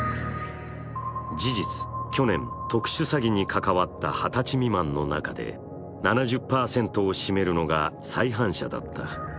事実、去年特殊詐欺に関わった二十歳未満の中で７０％を占めるのが再犯者だった。